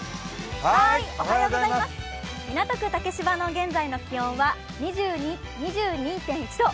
港区竹芝の現在の気温は２２．１度。